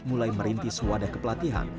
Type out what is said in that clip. mulai merintis wadah kepelatihan